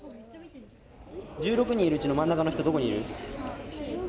１６人いるうちの真ん中の人どこにいる。